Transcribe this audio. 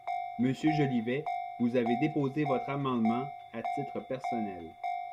Monsieur Jolivet, vous avez déposé votre amendement à titre personnel.